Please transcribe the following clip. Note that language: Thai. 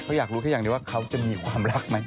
เขาอยากรู้แค่อย่างเดียวว่าเขาจะมีความรักไหม